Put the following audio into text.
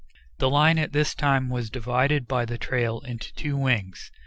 The line at this time was divided by the trail into two wings.